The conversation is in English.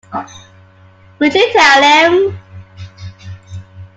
Would you tell him?